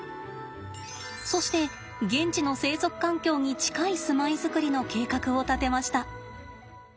そして現地の生息環境に近い住まい作りの計画を立てました。